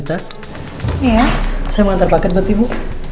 tidak ada apa apa ya bu